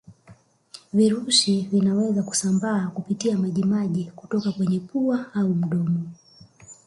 Virusi vinaweza kusambaa kupitia maji maji kutoka kwenye pua au mdomo